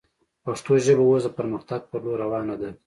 پښتو ژبه اوس د پرمختګ پر لور روانه ده